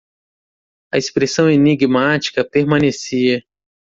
A expressão enigmática permanecia.